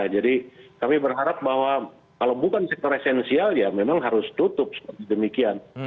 jadi kami berharap bahwa kalau bukan sektor esensial ya memang harus tutup seperti demikian